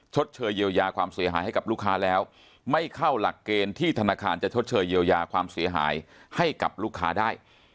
ชดเชยเยียวยาความเสียหายให้กับลูกค้าแล้วไม่เข้าหลักเกณฑ์ที่ธนาคารจะชดเชยเยียวยาความเสียหายให้กับลูกค้าได้